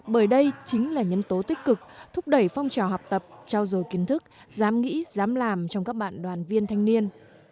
bởi đây chính là nhân tố tích cực thúc đẩy phong trào học tập trao dồi kiến thức dám nghĩ dám làm trong các bạn đoàn viên thanh niên